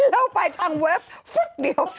เล่าไปทางเว็บฟึ๊บเดียว